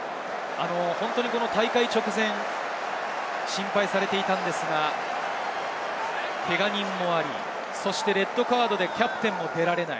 大会直前心配されていたのですが、けが人もあり、レッドカードでキャプテンが出られない。